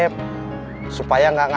supaya gak ada yang mau mencari saya